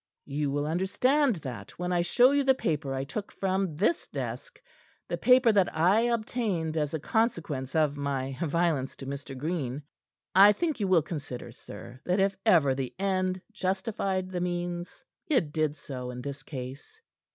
"You will understand that when I show you the paper I took from this desk, the paper that I obtained as a consequence of my violence to Mr. Green. I think you will consider, sir, that if ever the end justified the means, it did so in this case.